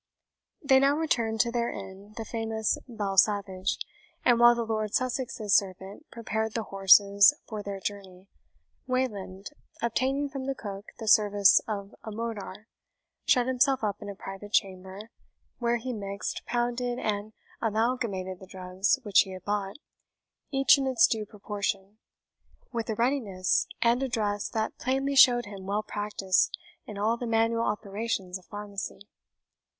They now returned to their inn (the famous Bell Savage); and while the Lord Sussex's servant prepared the horses for their journey, Wayland, obtaining from the cook the service of a mortar, shut himself up in a private chamber, where he mixed, pounded, and amalgamated the drugs which he had bought, each in its due proportion, with a readiness and address that plainly showed him well practised in all the manual operations of pharmacy.